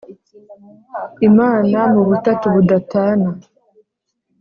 imana mu butatu budatana